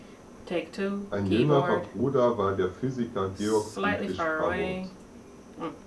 Ein jüngerer Bruder war der Physiker Georg Friedrich Parrot.